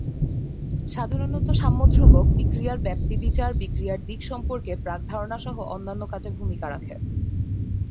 সাধারণত সাম্য ধ্রুবক, বিক্রিয়ার ব্যাপ্তি বিচার, বিক্রিয়ার দিক সম্পর্কে প্রাক ধারণা সহ অন্যান্য কাজে ভূমিকা রাখে।